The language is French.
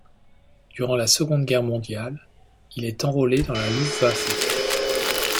Durant la Seconde Guerre mondiale, il est enrôlé dans la Luftwaffe.